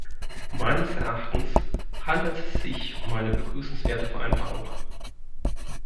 Meines Erachtens handelt es sich um eine begrüßenswerte Vereinbarung.